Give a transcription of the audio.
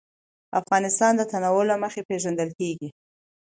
افغانستان د تنوع له مخې پېژندل کېږي.